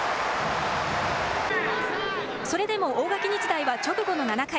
それでも大垣日大は直後の７回。